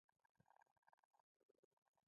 د افغانۍ ارزښت نه ساتل تاوان دی.